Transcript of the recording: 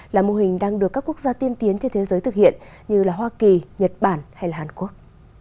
là mô hình đang được các quốc gia tiên tiến trên thế giới thực hiện như hoa kỳ nhật bản hay hàn quốc